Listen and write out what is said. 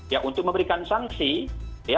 ya untuk memberikan sanksi ya